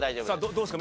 どうですか？